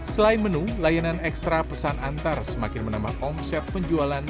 selain menu layanan ekstra pesan antar semakin menambah omset penjualan